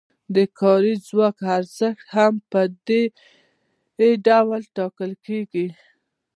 د کاري ځواک ارزښت هم په همدې ډول ټاکل کیږي.